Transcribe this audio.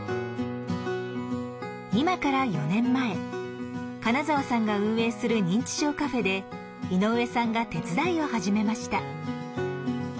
今から４年前金澤さんが運営する認知症カフェで井上さんが手伝いを始めました。